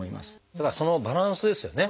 だからそのバランスですよね。